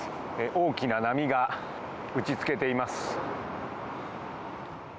大きな波が打ちつけています。